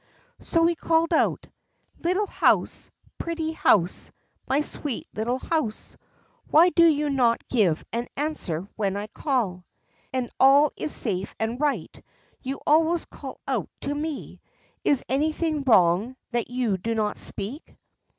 So he called out: "Little house, pretty house, my sweet little house, why do you not give an answer when I call? If I come, and all is safe and right, you always call out to me. Is anything wrong, that you do not speak?"